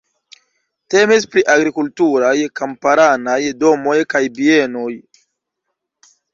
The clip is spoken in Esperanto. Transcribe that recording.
Temis pri agrikulturaj kamparanaj domoj kaj bienoj.